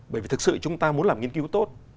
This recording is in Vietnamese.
bởi vì thực sự chúng ta muốn làm nghiên cứu tốt